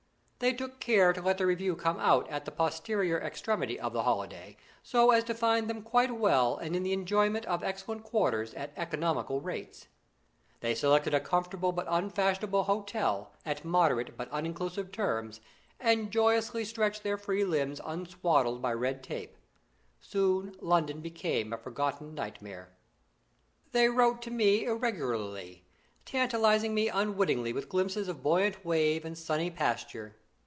They took care to let the Review come out at the posterior extremity of the holiday, so as to find them quite well and in the enjoyment of excellent quarters at economical rates. They selected a comfortable but unfashionable hotel, at moderate but uninclusive terms, and joyously stretched their free limbs unswaddled by red tape. Soon London became a forgotten nightmare. They wrote to me irregularly, tantalising me unwittingly with glimpses of buoyant wave and sunny pasture.